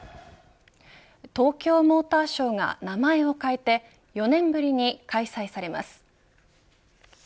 東京モーターショーが名前を変えて４年ぶりに開催されます。